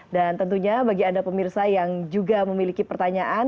dan tentunya bagi anda pemirsa yang juga memiliki pertanyaan